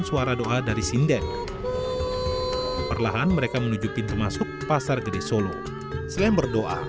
suara doa dari sinden perlahan mereka menuju pintu masuk pasar gede solo selain berdoa